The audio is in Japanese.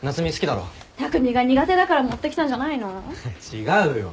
違うよ。